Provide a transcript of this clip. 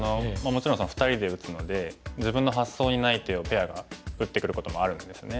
もちろん２人で打つので自分の発想にない手をペアが打ってくることもあるんですね。